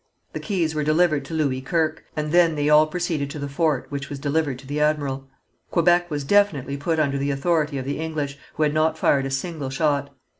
The keys were delivered to Louis Kirke, and then they all proceeded to the fort, which was delivered to the admiral. Quebec was definitely put under the authority of the English, who had not fired a single shot.